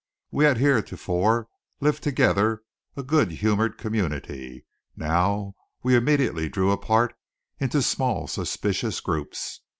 We had heretofore lived together a good humoured community. Now we immediately drew apart into small suspicious groups.